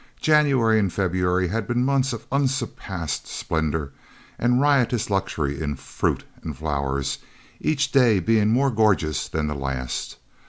January and February had been months of unsurpassed splendour and riotous luxury in fruit and flowers, each day being more gorgeous than the last.